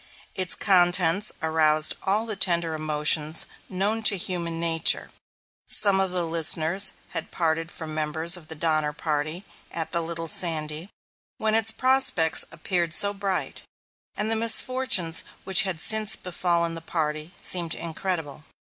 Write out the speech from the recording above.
Its contents aroused all the tender emotions known to human nature. Some of the listeners had parted from members of the Donner Party at the Little Sandy, when its prospects appeared so bright, and the misfortunes which had since befallen the party seemed incredible.